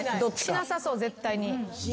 しなさそう絶対に。